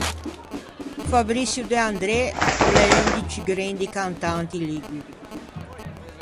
O Fabriçio De André o l’é un di ciù grendi cantanti liguri.